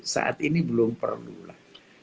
saat ini belum perlu lah